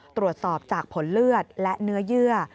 ตรวจสอบจากผลเลือดและเนื้อเยื่อ